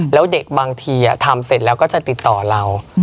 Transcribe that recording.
แล้วเด็กบางทีทำเสร็จแล้วก็จะติดต่อเรา